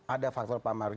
ada faktor pak maruf